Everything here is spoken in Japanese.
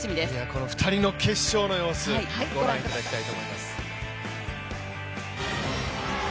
この２人の決勝の様子、ご覧いただきたいと思います。